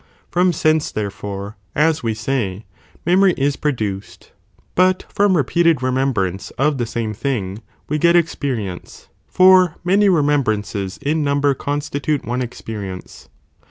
ir From sense, therefore, as we say, memory is produced, but from repeated re membrance of the same thing, we get experience, for many remembrances in number constitute one experience.